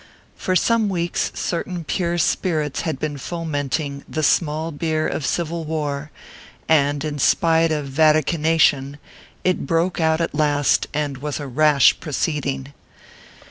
For some weeks, certain pure spirits had been fomenting the small beer of civil war, and in spite of vaticanation, it broke out at last, and was a rash proceeding.